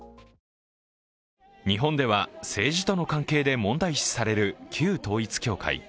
日本では政治との関係で問題視される旧統一教会。